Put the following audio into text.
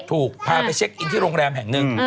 ถูกพาไปเช็คอินที่โรงแรมแห่งหนึ่ง